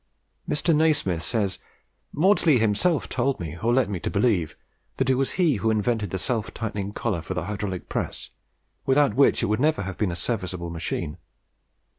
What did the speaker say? Mr. Nasmyth says "Maudslay himself told me, or led me to believe, that it was he who invented the self tightening collar for the hydraulic press, without which it would never have been a serviceable machine.